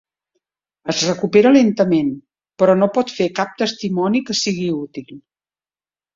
Es recupera lentament, però no pot fer cap testimoni que sigui útil.